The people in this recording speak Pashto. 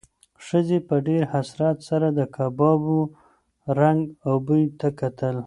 ښځې په ډېر حسرت سره د کبابو رنګ او بوی ته کتل.